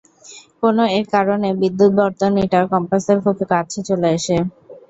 কোনো এক কারণে বিদ্যুৎ বর্তনীটা কম্পাসের খুব কাছে চলে আসে।